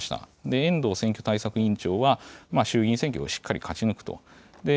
遠藤選挙対策委員長は衆議院選挙をしっかり勝ち抜くと。